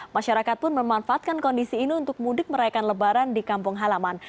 masyarakat pun memanfaatkan kondisi ini untuk mudik merayakan lebaran di kampung halaman